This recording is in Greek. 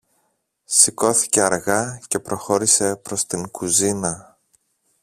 Σηκώθηκε αργά και προχώρησε προς την κουζίνα